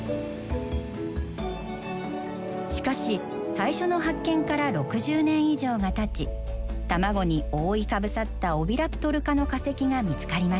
しかし最初の発見から６０年以上がたち卵に覆いかぶさったオビラプトル科の化石が見つかりました。